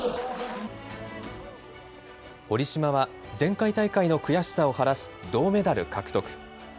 堀島は前回大会の悔しさを晴らす銅メダル獲得。